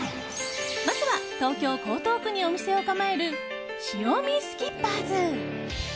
まずは、東京・江東区にお店を構える潮見スキッパーズ。